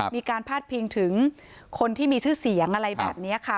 มีการพาดพิงถึงคนที่มีชื่อเสียงอะไรแบบนี้ค่ะ